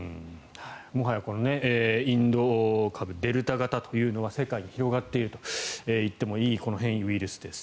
もはやインド株デルタ型というのは世界に広がっていると言ってもいい変異ウイルスです。